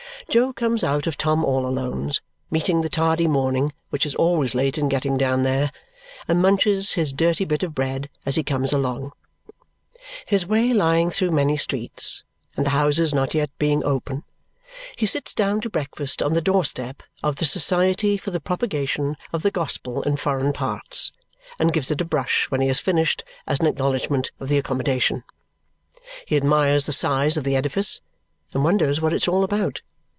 Jo comes out of Tom all Alone's, meeting the tardy morning which is always late in getting down there, and munches his dirty bit of bread as he comes along. His way lying through many streets, and the houses not yet being open, he sits down to breakfast on the door step of the Society for the Propagation of the Gospel in Foreign Parts and gives it a brush when he has finished as an acknowledgment of the accommodation. He admires the size of the edifice and wonders what it's all about.